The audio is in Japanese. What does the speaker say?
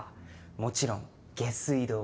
もちろん下水道も。